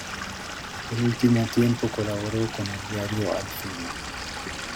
El último tiempo colaboró con el diario "Alfil".